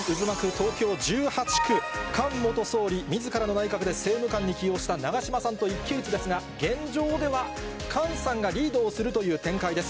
東京１８区、菅元総理みずからの内閣で政務官に起用した、長島さんと一騎打ちですが、現状では菅さんがリードをするという展開です。